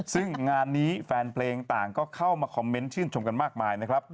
ซึ่งงานนี้แฟนเพลงต่างก็เข้ามาคอมเมนต์ชื่นชมกันมากมายนะครับ